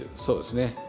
そうですね。